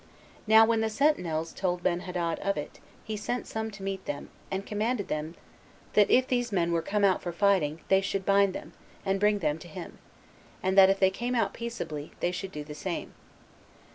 Now when the sentinels told Benhadad of it, he sent some to meet them, and commanded them, that if these men were come out for fighting, they should bind them, and bring them to him; and that if they came out peaceably, they should do the same.